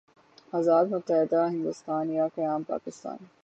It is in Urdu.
آزاد متحدہ ہندوستان یا قیام پاکستان؟